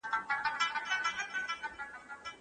شریف خپل زوی ته سږکال د مېلې اجازه ورنه کړه.